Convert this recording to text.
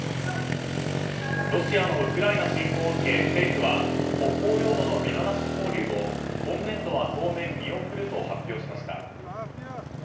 ロシアのウクライナ侵攻を受け政府は北方領土のビザなし交流を今年度は当面見送ると発表しました。